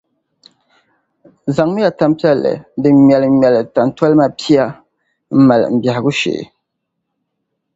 Zaŋmiya tampiɛl’ viɛlli din ŋmɛliŋmɛli tantolima pia m-mali m biɛhigu shee.